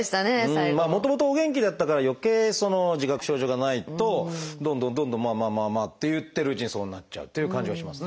もともとお元気だったからよけいその自覚症状がないとどんどんどんどんまあまあまあまあって言ってるうちにそうなっちゃうという感じはしますね。